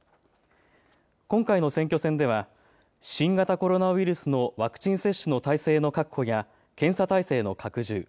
今回の選挙戦では新型コロナウイルスのワクチン接種の体制の確保や検査体制の拡充。